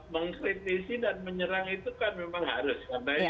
mengkritisi dan menyerang itu kan memang harus karena